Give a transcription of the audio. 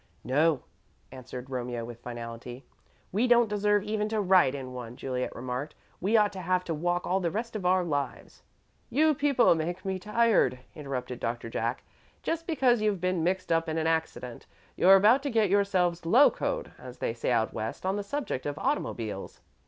"No," answered Romeo, with finality. "We don't deserve even to ride in one," Juliet remarked. "We ought to have to walk all the rest of our lives." "You people make me tired," interrupted Doctor Jack. "Just because you've been mixed up in an accident, you're about to get yourselves locoed, as they say out West, on the subject of automobiles.